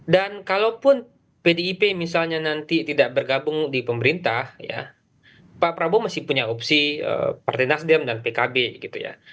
dan kalaupun pdip misalnya nanti tidak bergabung di pemerintah ya pak prabowo masih punya opsi partai nasdem dan pkb gitu ya